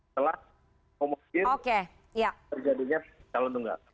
telah memungkin terjadinya calon tunggal